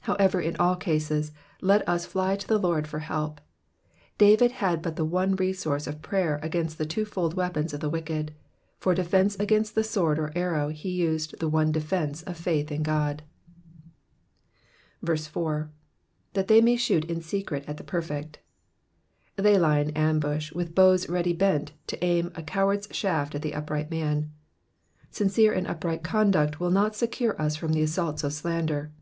However, in all cases, let us fly to the Lord for help. David had but the one resource of prayer against the twofold weapons of the wicked, for defencd against sword or arrow ho used the one defence of faith iu God. 4. * ^That they may shoot in secret at the perfect.'*'' They lie in ambush, with bows ready bent to aim a coward^s shaft at the upright man. Sincere and up right conduct will not secure us from the assaults of slander.